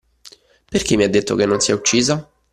Perché mi ha detto che non si è uccisa?